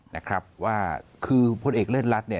นะครับคือผลเอกเลิศรัฐ